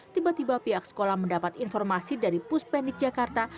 tiba tiba pihak sekolah mendapat informasi dari puspenik jakarta